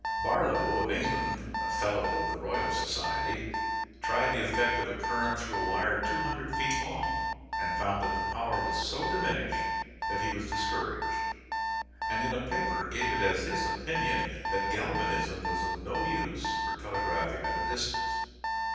Barlow of England, a Fellow of the Royal Society, tried the effect of a current through a wire 200 feet long, and found that the power was so diminished that he was discouraged, and in a paper gave it as his opinion that galvanism was of no use for telegraphing at a distance.